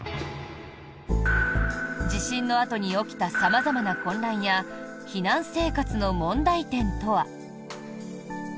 地震のあとに起きた様々な混乱や避難生活の問題点とは？